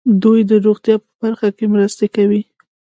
دوی د روغتیا په برخه کې مرستې کوي.